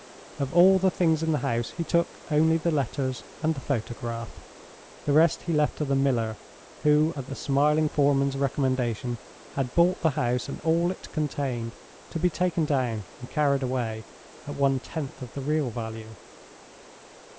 Of all the things in the house he took only the letters and the photograph. The rest he left to the miller who, at the smiling foreman's recommendation, had bought the house and all it contained, to be taken down and carried away, at one tenth of the real value.